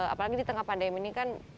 apalagi di tengah pandemi ini kan